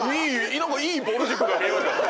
何かいいぼる塾が見えました。